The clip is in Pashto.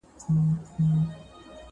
مار چي لا خپل غار ته ننوزي، ځان سيده کوي.